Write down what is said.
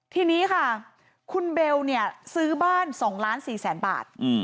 ทีนี้ค่ะคุณเบลเนี่ยซื้อบ้าน๒ล้าน๔แสนบาท